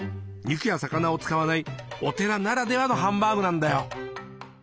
肉や魚を使わないお寺ならではのハンバーグなんだよ。